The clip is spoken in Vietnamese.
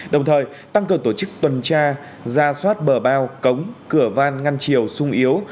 đồng thời tăng cường tổ chức tuần tra ra soát bờ bao cống cửa van ngăn chiều sung yếu